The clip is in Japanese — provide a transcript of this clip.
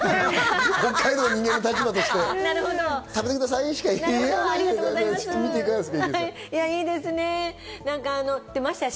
北海道の人間の立場としたら。